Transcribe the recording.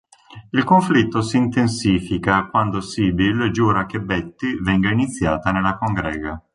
Il conflitto si intensifica quando Sybil giura che Betty venga iniziata nella congrega.